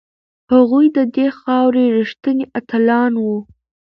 هغوی د دې خاورې ریښتیني اتلان وو.